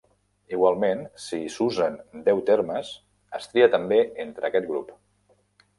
Igualment, si s'usen deu termes, es tria també entre aquest grup.